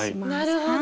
なるほど。